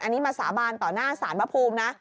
อันนี้มาสาบานต่อหน้าศาลพระภูมินะ